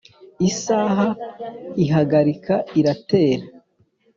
isaha ihagarika iratera